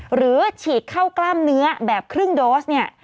หรือฉีดเข้ากล้ามเนื้อแบบครึ่งโดสเนี่ย